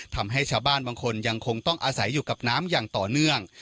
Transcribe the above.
ทำให้ชาวบ้านบางคนยังคงต้องอาศัยอยู่กับน้ำอย่างต่อเนื่อง